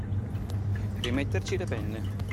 Rimetterci le penne.